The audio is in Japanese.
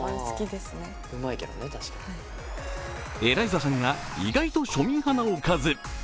エライザさんは、意外と庶民派なおかず。